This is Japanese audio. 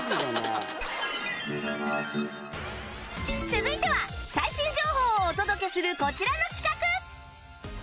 続いては最新情報をお届けするこちらの企画！